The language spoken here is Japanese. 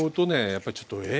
やっぱりちょっとえっ